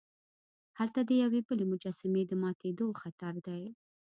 هلته د یوې بلې مجسمې د ماتیدو خطر دی.